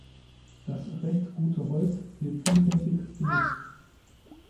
Das recht gute Holz wird vielfältig genutzt.